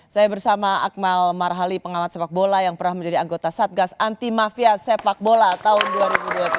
saya bersama akmal marhali pengamat sepak bola yang pernah menjadi anggota satgas anti mafia sepak bola tahun dua ribu dua puluh tiga